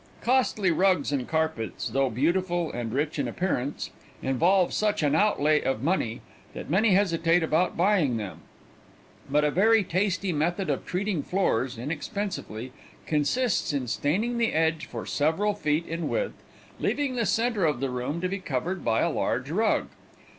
Costly rugs and carpets, though beautiful and rich in appearance, involve such an outlay of money that many hesitate about buying them; but a very tasty method of treating floors inexpensively consists in staining the edge for several feet in width, leaving the center of the room to be covered by a large rug.